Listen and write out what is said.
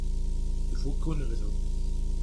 Ifukk unebdu.